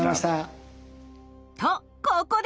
とここで！